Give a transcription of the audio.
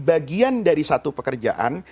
bagian dari satu pekerjaan